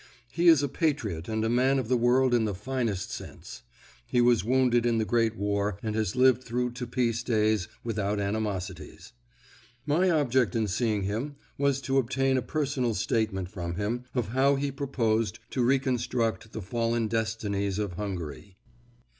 He is a patriot and man of the world in the finest sense. He was wounded in the Great War and has lived through to peace days without animosities. My object in seeing him was to obtain a personal statement from him of how he proposed to reconstruct the fallen destinies of Hungary.